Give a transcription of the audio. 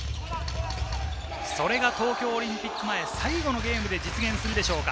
それが東京オリンピック前、最後のゲームで実現するでしょうか？